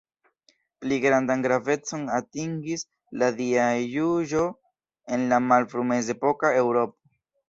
Pli grandan gravecon atingis la Dia juĝo en la malfru-mezepoka Eŭropo.